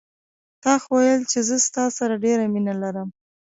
تا خو ویل چې زه ستا سره ډېره مینه لرم